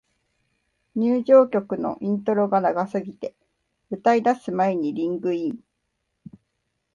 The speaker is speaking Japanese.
入場曲のイントロが長すぎて、歌い出す前にリングイン